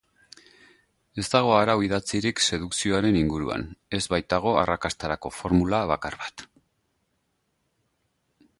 Ez dago arau idatzirik sedukzioaren inguruan, ez baitago arrakastarako formula bakar bat.